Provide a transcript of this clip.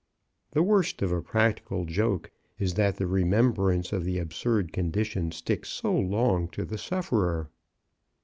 The worst of a practical joke is that the remembrance of the absurd condition sticks so long to the sufferer.